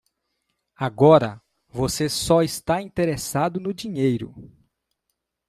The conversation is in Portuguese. Agora, você só estava interessado no dinheiro.